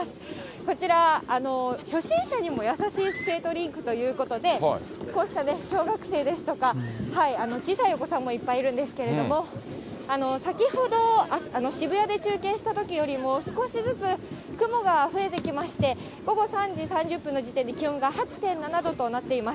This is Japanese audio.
こちら、初心者にも優しいスケートリンクということで、こうした小学生ですとか、小さいお子さんもいっぱいいるんですけれども、先ほど渋谷で中継したときよりも、少しずつ雲が増えてきまして、午後３時３０分の時点で気温が８．７度となっています。